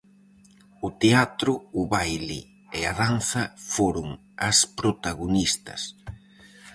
O teatro, o baile e a danza foron as protagonistas.